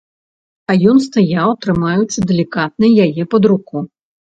А ён стаяў, трымаючы далікатна яе пад руку.